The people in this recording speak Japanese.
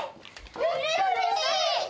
うれしい！